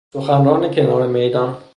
سخنران کنار میدان